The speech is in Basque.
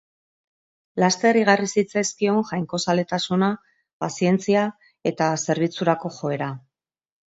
Laster igarri zitzaizkion jainkozaletasuna, pazientzia eta zerbitzurako joera.